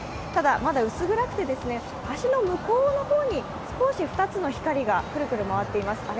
ただ、まだ薄暗くて、橋の向こうの方に少し２つの光がクルクル回っています。